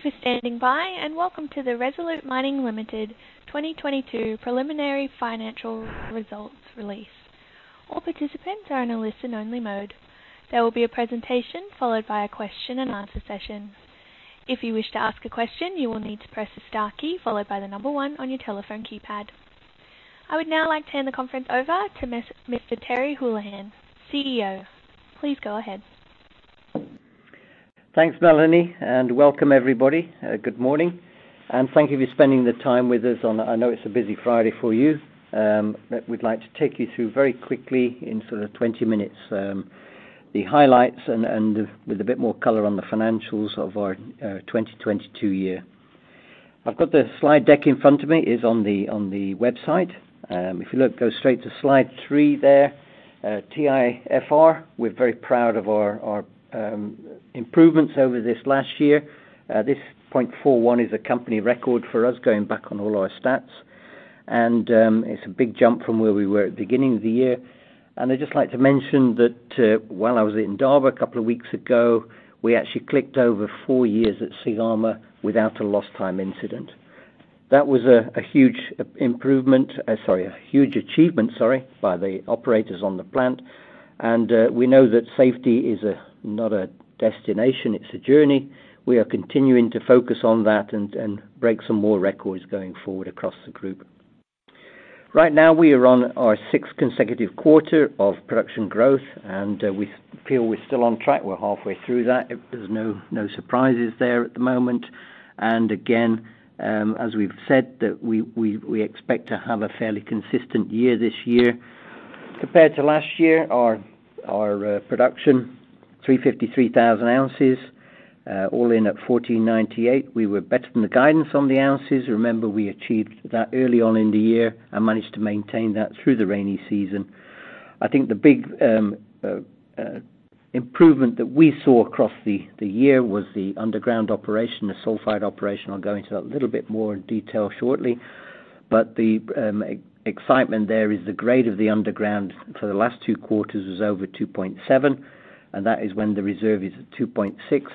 Thank you for standing by and welcome to the Resolute Mining Limited 2022 preliminary financial results release. All participants are in a listen-only mode. There will be a presentation followed by a question and answer session. If you wish to ask a question, you will need to press the star key followed by one on your telephone keypad. I would now like to hand the conference over to Mr. Terry Holohan, CEO. Please go ahead. Thanks, Melanie, welcome everybody. Good morning, and thank you for spending the time with us on. I know it's a busy Friday for you. We'd like to take you through very quickly in sort of 20 minutes, the highlights and, with a bit more color on the financials of our 2022 year. I've got the slide deck in front of me. It's on the website. If you look, go straight to slide three there, TIFR. We're very proud of our improvements over this last year. This 0.41 is a company record for us going back on all our stats. It's a big jump from where we were at the beginning of the year. I'd just like to mention that, while I was in Darwa a couple of weeks ago, we actually clicked over four years at Syama without a lost time incident. That was a huge improvement, sorry, a huge achievement, sorry, by the operators on the plant. We know that safety is not a destination, it's a journey. We are continuing to focus on that and break some more records going forward across the group. Right now, we are on our sixth consecutive quarter of production growth, we feel we're still on track. We're halfway through that. There's no surprises there at the moment. Again, as we've said that we expect to have a fairly consistent year this year. Compared to last year, our production, 353,000 ounces, all in at $1,498. We were better than the guidance on the ounces. Remember, we achieved that early on in the year and managed to maintain that through the rainy season. I think the big improvement that we saw across the year was the underground operation, the sulphide operation. I'll go into that a little bit more in detail shortly. The excitement there is the grade of the underground for the last two quarters was over 2.7, and that is when the Reserve is at 2.6. It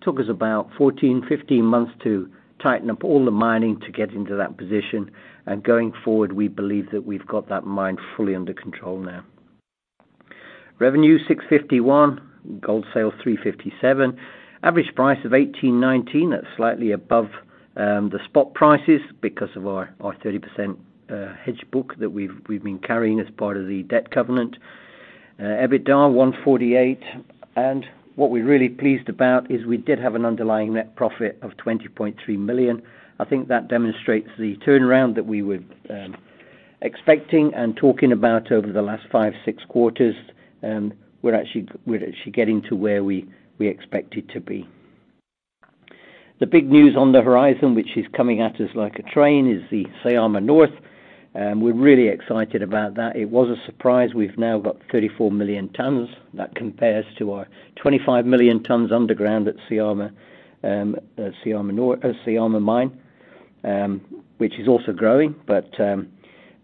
took us about 14, 15 months to tighten up all the mining to get into that position. Going forward, we believe that we've got that mine fully under control now. Revenue $651 million. Gold sales $357 million. Average price of 18.19, that's slightly above the spot prices because of our 30% hedge book that we've been carrying as part of the debt covenant. EBITDA, $148 million. What we're really pleased about is we did have an underlying net profit of $20.3 million. I think that demonstrates the turnaround that we were expecting and talking about over the last five, six quarters, we're actually getting to where we expect it to be. The big news on the horizon, which is coming at us like a train, is the Syama North, we're really excited about that. It was a surprise. We've now got 34 million tons. That compares to our 25 million tons underground at Syama Mine, which is also growing.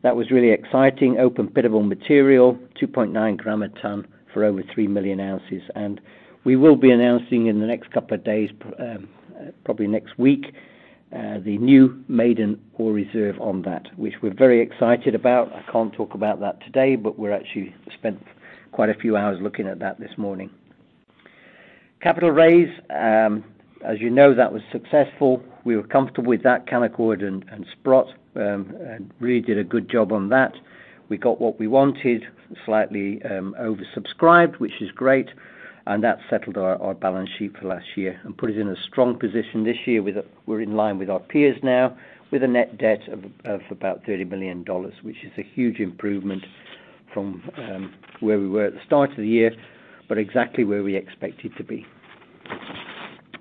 That was really exciting. Open pit-able material, 2.9 gram a ton for over three million ounces. We will be announcing in the next couple of days, probably next week, the new maiden Ore Reserve on that, which we're very excited about. I can't talk about that today, but we actually spent quite a few hours looking at that this morning. Capital raise, as you know, that was successful. We were comfortable with that. Canaccord and Sprott really did a good job on that. We got what we wanted, slightly oversubscribed, which is great, and that settled our balance sheet for last year and put us in a strong position this year. We're in line with our peers now with a net debt of about $30 million, which is a huge improvement from where we were at the start of the year. Exactly where we expected to be.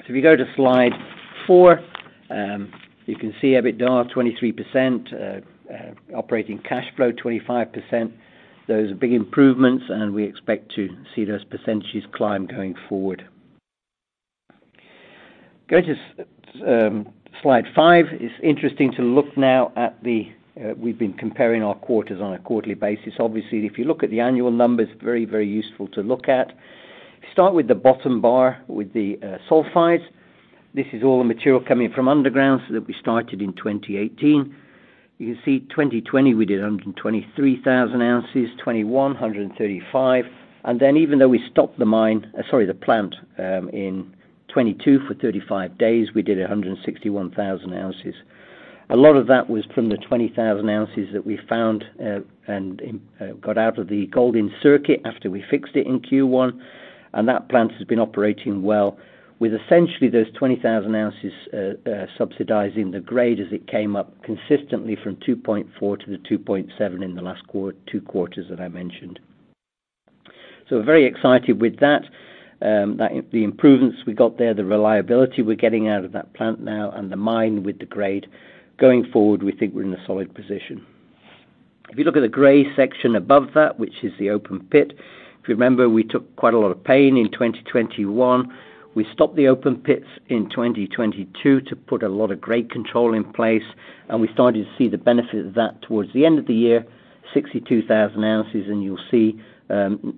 If you go to slide four, you can see EBITDA, 23%, operating cash flow, 25%. Those are big improvements, and we expect to see those percentages climb going forward. Go to slide five. It's interesting to look now at the, we've been comparing our quarters on a quarterly basis. Obviously, if you look at the annual numbers, very, very useful to look at. Start with the bottom bar with the sulfides. This is all the material coming from underground, that we started in 2018. You can see, 2020, we did 123,000 ounces, 2021, 135,000 ounces. Even though we stopped the mine, sorry, the plant in 2022 for 35 days, we did 161,000 ounces. A lot of that was from the 20,000 ounces that we found and got out of the gold in circuit after we fixed it in Q1, and that plant has been operating well with essentially those 20,000 ounces subsidizing the grade as it came up consistently from 2.4 to the 2.7 in the last two quarters that I mentioned. We're very excited with that, the improvements we got there, the reliability we're getting out of that plant now and the mine with the grade. Going forward, we think we're in a solid position. If you look at the gray section above that, which is the open pit, if you remember, we took quite a lot of pain in 2021. We stopped the open pits in 2022 to put a lot of great control in place, and we started to see the benefit of that towards the end of the year, 62,000 ounces. You'll see,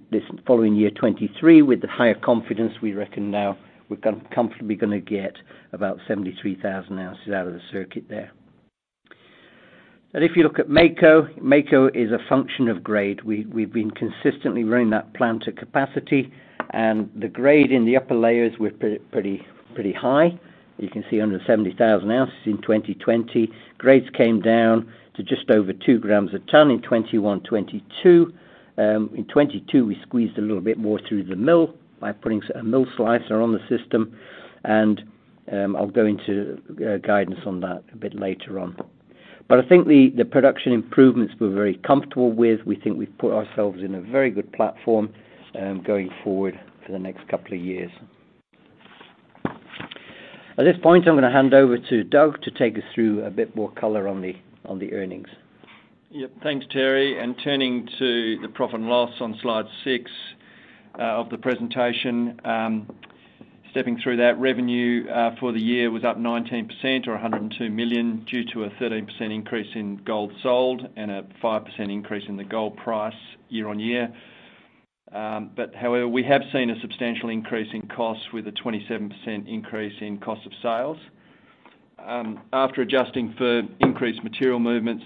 this following year, 2023, with the higher confidence we reckon now we're comfortably gonna get about 73,000 ounces out of the circuit there. If you look at Mako is a function of grade. We've been consistently running that plant at capacity, and the grade in the upper layers were pretty high. You can see under 70,000 ounces in 2020. Grades came down to just over two grams a ton in 2021, 2022. In 2022, we squeezed a little bit more through the mill by putting a mill slicer on the system and I'll go into guidance on that a bit later on. I think the production improvements we're very comfortable with. We think we've put ourselves in a very good platform going forward for the next couple of years. At this point, I'm gonna hand over to Doug to take us through a bit more color on the earnings. Thanks, Terry. Turning to the profit and loss on slide six of the presentation. Stepping through that revenue for the year was up 19% or $102 million due to a 13% increase in gold sold and a 5% increase in the gold price year-on-year. However, we have seen a substantial increase in costs with a 27% increase in cost of sales. After adjusting for increased material movements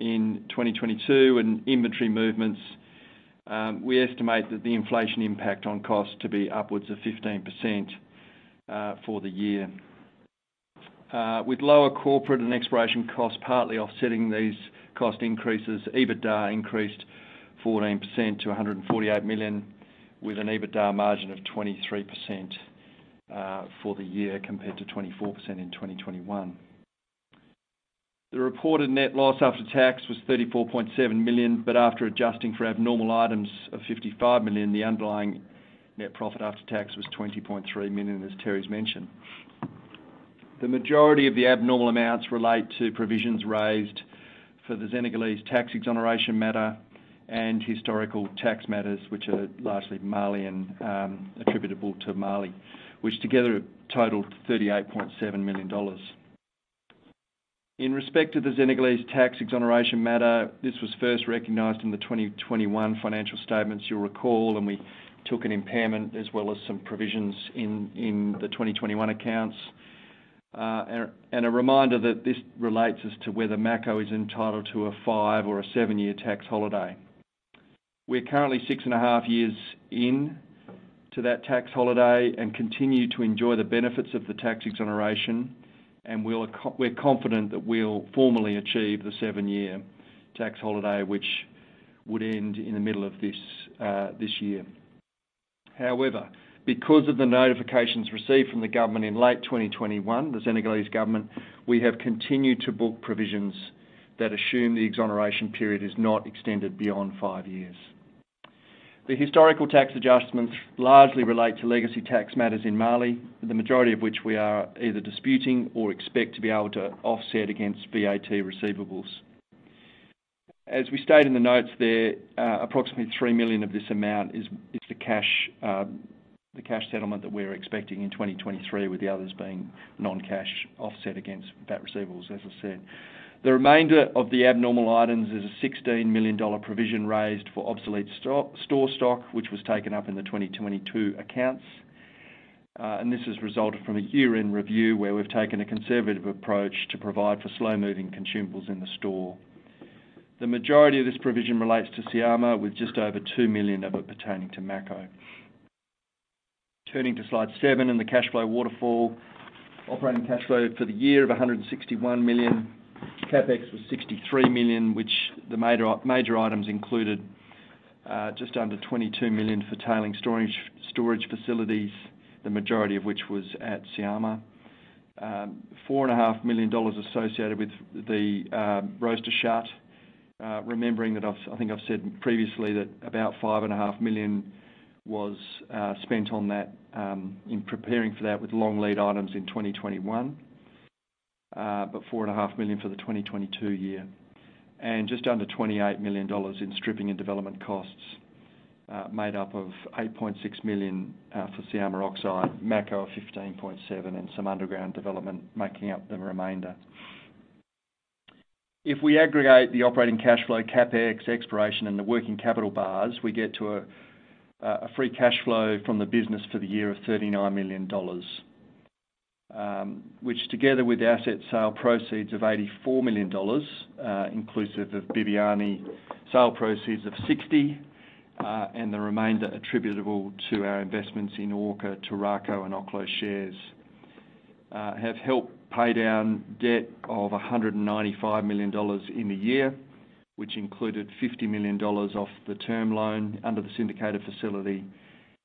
in 2022 and inventory movements, we estimate that the inflation impact on costs to be upwards of 15% for the year. With lower corporate and exploration costs partly offsetting these cost increases, EBITDA increased 14% to $148 million, with an EBITDA margin of 23% for the year compared to 24% in 2021. The reported net loss after tax was $34.7 million. After adjusting for abnormal items of $55 million, the underlying net profit after tax was $20.3 million as Terry's mentioned. The majority of the abnormal amounts relate to provisions raised for the Senegalese tax exoneration matter and historical tax matters which are largely Mali and attributable to Mali, which together totaled $38.7 million. In respect to the Senegalese tax exoneration matter, this was first recognized in the 2021 financial statements you'll recall. We took an impairment as well as some provisions in the 2021 accounts. A reminder that this relates as to whether Mako is entitled to a five or a seven-year tax holiday. We're currently six and a half years in to that tax holiday and continue to enjoy the benefits of the tax exoneration. We're confident that we'll formally achieve the seven-year tax holiday, which would end in the middle of this year. However, because of the notifications received from the government in late 2021, the Senegalese government, we have continued to book provisions that assume the exoneration period is not extended beyond five years. The historical tax adjustments largely relate to legacy tax matters in Mali, the majority of which we are either disputing or expect to be able to offset against VAT receivables. As we state in the notes there, approximately $3 million of this amount is the cash settlement that we're expecting in 2023, with the others being non-cash offset against VAT receivables, as I said. The remainder of the abnormal items is a $16 million provision raised for obsolete store stock, which was taken up in the 2022 accounts. This has resulted from a year-end review where we've taken a conservative approach to provide for slow-moving consumables in the store. The majority of this provision relates to Syama, with just over $2 million of it pertaining to Mako. Turning to slide seven and the cash flow waterfall. Operating cash flow for the year of $161 million. CapEx was $63 million, which the major items included just under $22 million for tailing storage facilities, the majority of which was at Syama. $4.5 million associated with the roaster shutdown. Remembering that I've, I think I've said previously that about five and a half million was spent on that in preparing for that with long lead items in 2021, but four and a half million for the 2022 year. Just under $28 million in stripping and development costs, made up of $8.6 million for Syama oxide, Mako of $15.7 million, and some underground development making up the remainder. If we aggregate the operating cash flow, CapEx exploration, and the working capital bars, we get to a free cash flow from the business for the year of $39 million. Which together with the asset sale proceeds of $84 million, inclusive of Bibiani sale proceeds of $60 million, and the remainder attributable to our investments in Orca, Toro, and Oklo Shares, have helped pay down debt of $195 million in the year, which included $50 million off the term loan under the syndicated facility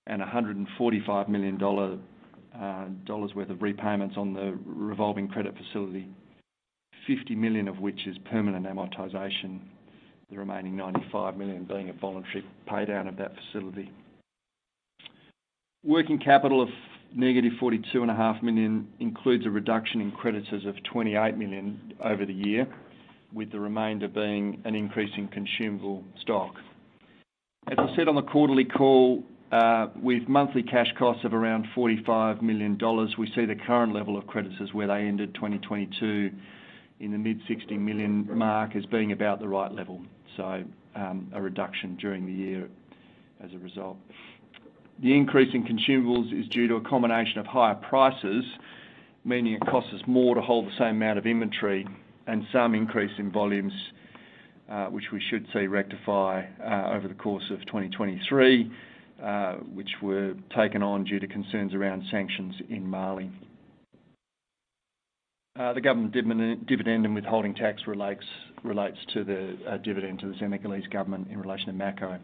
and $145 million worth of repayments on the revolving credit facility, $50 million of which is permanent amortization, the remaining $95 million being a voluntary pay down of that facility. Working capital of -$42.5 million includes a reduction in creditors of $28 million over the year, with the remainder being an increase in consumable stock. As I said on the quarterly call, with monthly cash costs of around $45 million, we see the current level of creditors where they ended 2022 in the mid $60 million mark as being about the right level. A reduction during the year as a result. The increase in consumables is due to a combination of higher prices, meaning it costs us more to hold the same amount of inventory and some increase in volumes, which we should see rectify over the course of 2023, which were taken on due to concerns around sanctions in Mali. The government dividend and withholding tax relates to the dividend to the Senegalese government in relation to Mako.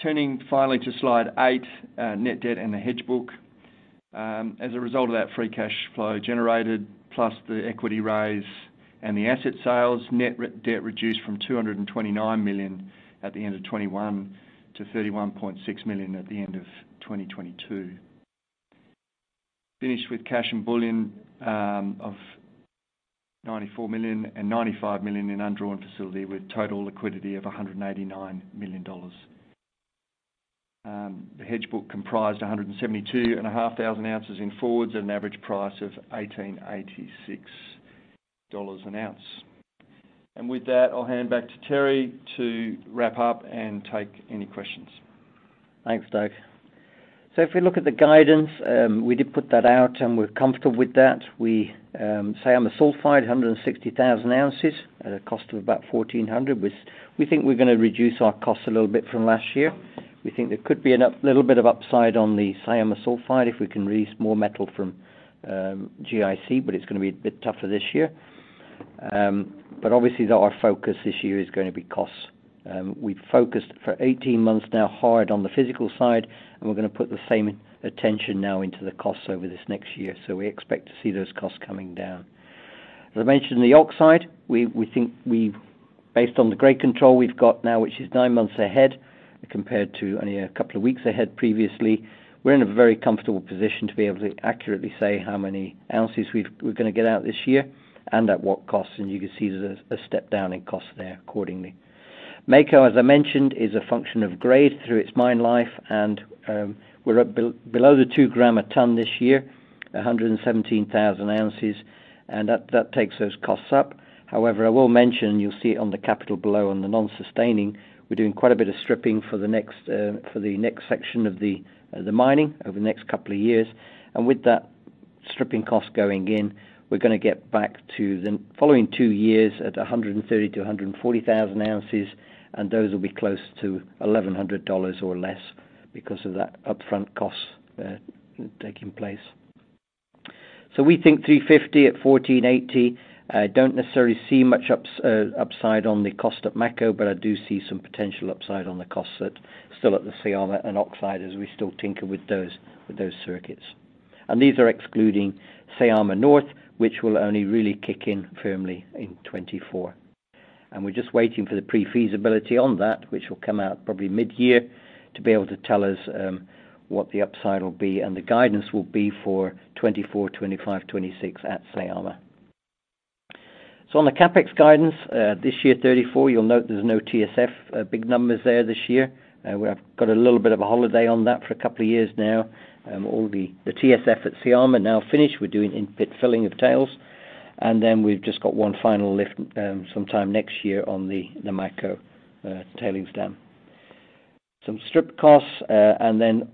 Turning finally to slide eight, net debt and the hedge book. As a result of that free cash flow generated, plus the equity raise and the asset sales, net debt reduced from $229 million at the end of 2021 to $31.6 million at the end of 2022. Finish with cash and bullion of $94 million and $95 million in undrawn facility with total liquidity of $189 million. The hedge book comprised 172.5 thousand ounces in forwards at an average price of $1,886 an ounce. With that, I'll hand back to Terry to wrap up and take any questions. Thanks, Doug. If we look at the guidance, we did put that out, and we're comfortable with that. We, Syama sulfide, 160,000 ounces at a cost of about $1,400, which we think we're gonna reduce our costs a little bit from last year. We think there could be a little bit of upside on the Syama sulfide if we can release more metal from GIC, it's gonna be a bit tougher this year. Obviously, though, our focus this year is gonna be costs. We've focused for 18 months now hard on the physical side, and we're gonna put the same attention now into the costs over this next year. We expect to see those costs coming down. As I mentioned, the oxide, we think based on the grade control we've got now, which is nine months ahead compared to only a couple of weeks ahead previously, we're in a very comfortable position to be able to accurately say how many ounces we're gonna get out this year and at what cost. You can see there's a step down in cost there accordingly. Mako, as I mentioned, is a function of grade through its mine life. We're at below the two gram a ton this year, 117,000 ounces. That takes those costs up. However, I will mention, you'll see on the capital below on the non-sustaining, we're doing quite a bit of stripping for the next section of the mining over the next couple of years. With that stripping cost going in, we're gonna get back to the following two years at 130,000-140,000 ounces, and those will be close to $1,100 or less because of that upfront cost taking place. We think $350 at $1,480, don't necessarily see much upside on the cost of Mako, but I do see some potential upside on the costs that still at the Syama and oxide as we still tinker with those circuits. These are excluding Syama North, which will only really kick in firmly in 2024. We're just waiting for the pre-feasibility on that, which will come out probably mid-year to be able to tell us what the upside will be and the guidance will be for 2024, 2025, 2026 at Syama. On the CapEx guidance, this year at 34, you'll note there's no TSF big numbers there this year. We have got a little bit of a holiday on that for a couple of years now. All the TSF at Syama now finished. We're doing in-pit filling of tails, and then we've just got one final lift sometime next year on the Mako tailings dam. Some strip costs, and then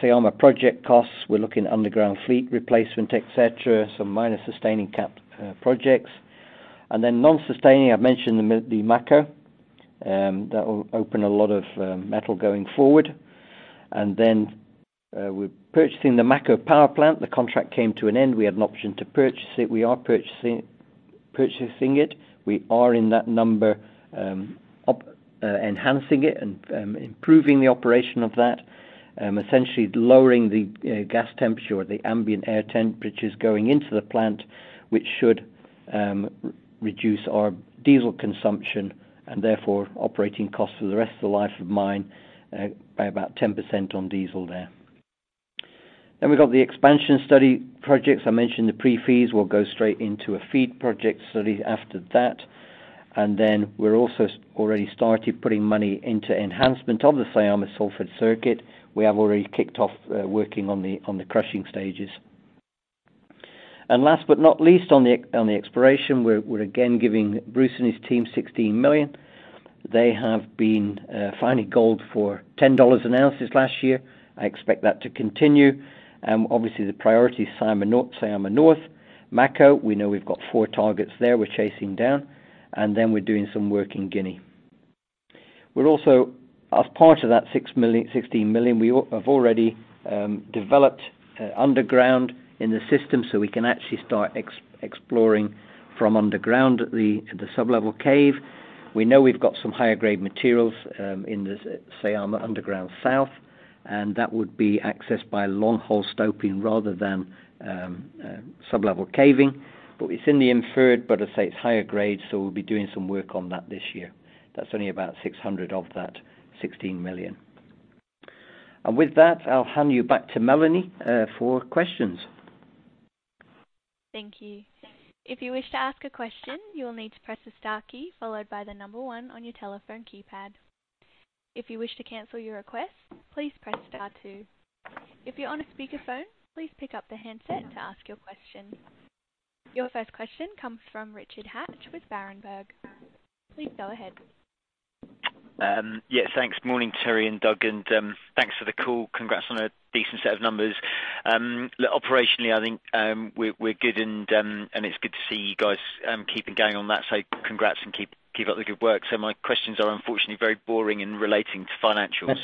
Syama project costs, we're looking underground fleet replacement, et cetera, some miner sustaining cap projects. Non-sustaining, I've mentioned the Mako, that will open a lot of metal going forward. We're purchasing the Mako power plant. The contract came to an end. We had an option to purchase it. We are purchasing it. We are in that number, enhancing it and improving the operation of that, essentially lowering the gas temperature or the ambient air temperatures going into the plant, which should reduce our diesel consumption and therefore operating costs for the rest of the life of mine, by about 10% on diesel there. We've got the expansion study projects. I mentioned the pre-fees will go straight into a FEED project study after that. We're also already started putting money into enhancement of the Syama sulfide circuit. We have already kicked off working on the crushing stages. Last but not least, on the exploration, we're again giving Bruce and his team $16 million. They have been finding gold for $10 an ounce last year. I expect that to continue. Obviously the priority is Syama North. Mako, we know we've got four targets there we're chasing down. We're doing some work in Guinea. We're also, as part of that $16 million, we have already developed underground in the system, so we can actually start exploring from underground at the sub-level cave. We know we've got some higher grade materials in the Syama Underground South, and that would be accessed by long hole stoping rather than sub-level caving. It's in the inferred, but I'd say it's higher grade, so we'll be doing some work on that this year. That's only about 600 of that $16 million. With that, I'll hand you back to Melanie for questions. Thank you. If you wish to ask a question, you will need to press the star key followed by the number one on your telephone keypad. If you wish to cancel your request, please press star two. If you're on a speakerphone, please pick up the handset to ask your question. Your first question comes from Richard Hatch with Berenberg. Please go ahead. Yeah, thanks. Morning, Terry and Doug, thanks for the call. Congrats on a decent set of numbers. Look, operationally, I think, we're good and it's good to see you guys keeping going on that. Congrats and keep up the good work. My questions are unfortunately very boring in relating to financials.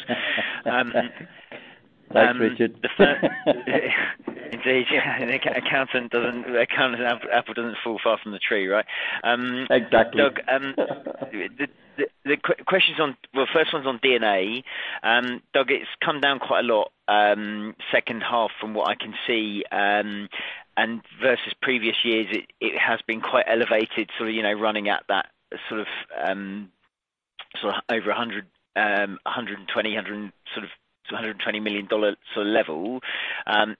Thanks, Richard. Indeed. An accountant apple doesn't fall far from the tree, right? Exactly. Doug, the questions on. Well, first one's on DNA. Doug, it's come down quite a lot, second half from what I can see. Versus previous years, it has been quite elevated, sort of, you know, running at that sort of, sort of over $100, $120 million sort of level.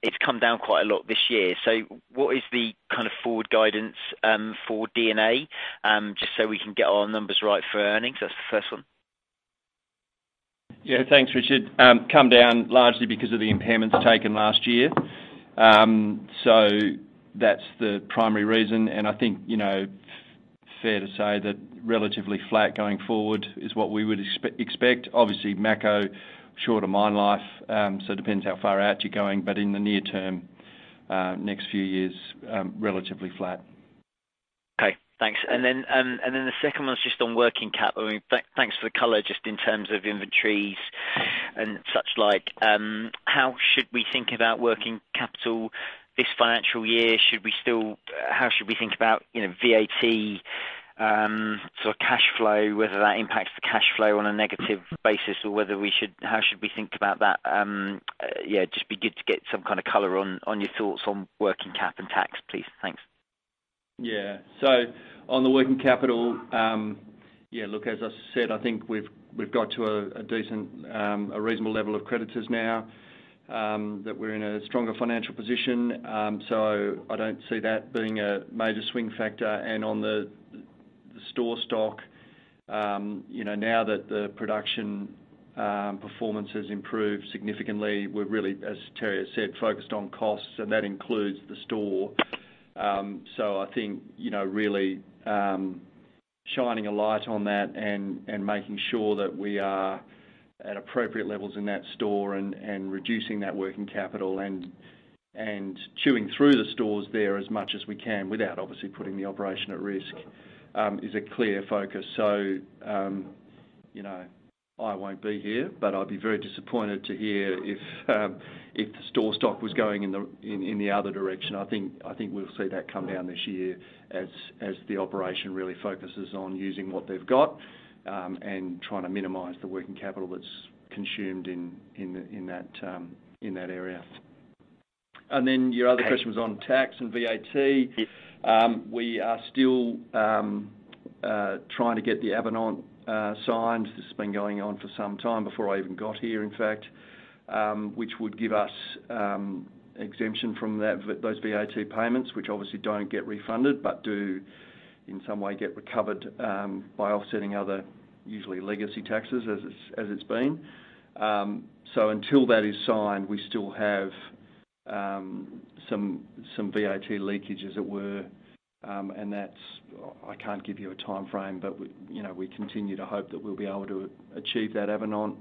It's come down quite a lot this year. What is the kind of forward guidance for DNA, just so we can get our numbers right for earnings? That's the first one. Yeah. Yeah. Thanks, Richard. Come down largely because of the impairments taken last year. That's the primary reason. I think, you know, fair to say that relatively flat going forward is what we would expect. Obviously, Mako, shorter mine life, depends how far out you're going, but in the near-term, next few years, relatively flat. Okay. Thanks. The second one's just on working cap. I mean, thanks for the color just in terms of inventories and such like. How should we think about working capital this financial year? How should we think about, you know, VAT, sort of cash flow, whether that impacts the cash flow on a negative basis or how should we think about that? Yeah, just be good to get some kind of color on your thoughts on working cap and tax, please. Thanks. On the working capital, look, as I said, I think we've got to a decent, a reasonable level of creditors now, that we're in a stronger financial position, so I don't see that being a major swing factor. On the store stock, you know, now that the production performance has improved significantly, we're really, as Terry has said, focused on costs, and that includes the store. I think, you know, really shining a light on that and making sure that we are at appropriate levels in that store and reducing that working capital and chewing through the stores there as much as we can without obviously putting the operation at risk, is a clear focus. You know, I won't be here, but I'd be very disappointed to hear if the store stock was going in the other direction. I think we'll see that come down this year as the operation really focuses on using what they've got and trying to minimize the working capital that's consumed in that area. Your other question was on tax and VAT. Yes. We are still trying to get the avenant signed. This has been going on for some time, before I even got here, in fact, which would give us exemption from that, those VAT payments, which obviously don't get refunded, but do in some way get recovered by offsetting other, usually legacy taxes as it's, as it's been. So until that is signed, we still have some VAT leakage, as it were. And that's, I can't give you a timeframe, but we, you know, we continue to hope that we'll be able to achieve that avenant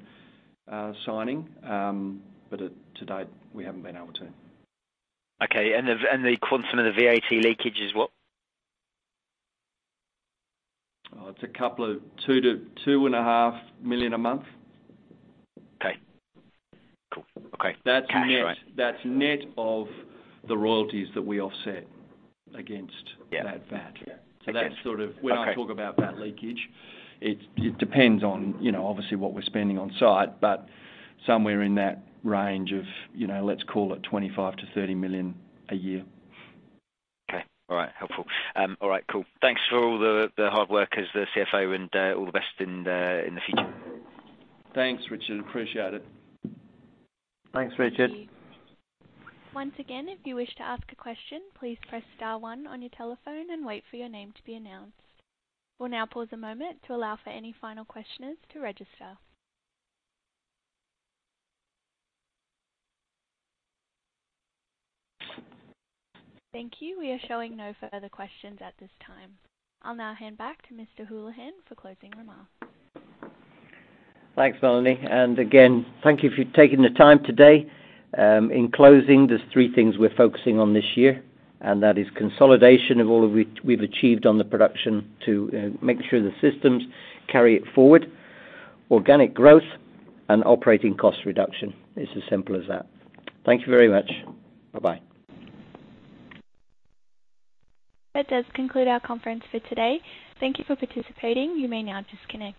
signing. But to date, we haven't been able to. Okay. The quantum of the VAT leakage is what? It's a couple of $2 million-$2.5 million a month. Okay. Cool. Okay. That's net. All right. That's net of the royalties that we offset against- Yeah. -that VAT. Okay. That's. Okay. When I talk about that leakage, it depends on, you know, obviously what we're spending on site, but somewhere in that range of, you know, let's call it $25 million-$30 million a year. Okay. All right. Helpful. All right. Cool. Thanks for all the hard work as the CFO and, all the best in the future. Thanks, Richard. Appreciate it. Thanks, Richard. Thank you. Once again, if you wish to ask a question, please press star one on your telephone and wait for your name to be announced. We'll now pause a moment to allow for any final questioners to register. Thank you. We are showing no further questions at this time. I'll now hand back to Mr. Holohan for closing remarks. Thanks, Melanie. Again, thank you for taking the time today. In closing, there's three things we're focusing on this year, and that is consolidation of all of which we've achieved on the production to make sure the systems carry it forward, organic growth, and operating cost reduction. It's as simple as that. Thank you very much. Bye-bye. That does conclude our conference for today. Thank you for participating. You may now disconnect.